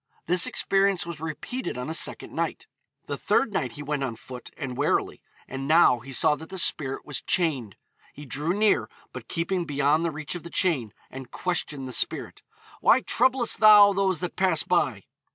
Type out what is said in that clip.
This experience was repeated on a second night. The third night he went on foot, and warily; and now he saw that the spirit was chained. He drew near, but keeping beyond the reach of the chain, and questioned the spirit: 'Why troublest thou those that pass by?'